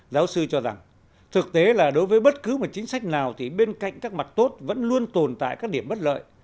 giáo sư cho rằng thực tế là đối với bất cứ một chính sách nào thì bên cạnh các mặt tốt vẫn luôn tồn tại các điểm bất lợi